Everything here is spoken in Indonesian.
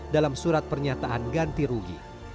dalam surat pernyataan ganti rugi